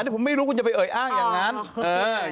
แต่ผมไม่รู้คุณจะไปเอ่ยอ้างอย่างนั้น